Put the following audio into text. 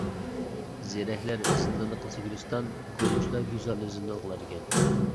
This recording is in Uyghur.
زېرەكلەر زىنداننى قىلسا گۈلىستان، گومۇشلار گۈلزارنى زىندان قىلاركەن.